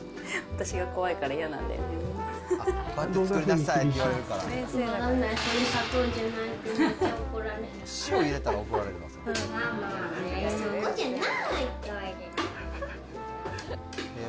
私が怖いから嫌なんだよね？